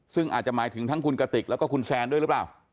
ซึ่งอาจจะหมายถึงทั้งคุณกติกแล้วก็คุณแซนด้วยหรือเปล่า